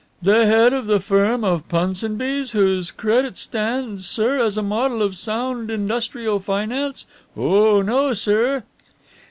The head of the firm of Punsonby's, whose credit stands, sir, as a model of sound industrial finance? Oh no, sir."